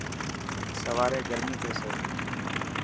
سواري گرمي ٿيسي.